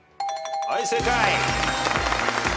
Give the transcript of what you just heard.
はい正解。